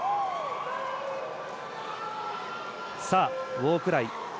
ウォークライ。